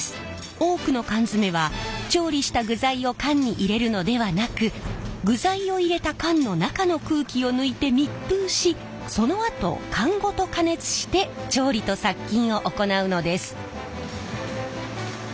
多くの缶詰は調理した具材を缶に入れるのではなく具材を入れた缶の中の空気を抜いて密封しそのあと缶ごと加熱して調理と殺菌を行うのです。